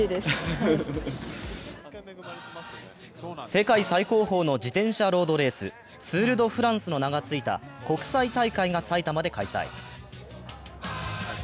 世界最高峰の自転車ロードレース、ツール・ド・フランスの名がついた国際大会が埼玉で開催。